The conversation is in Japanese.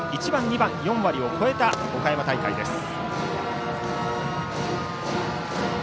１番、２番が４割を超えた岡山大会です。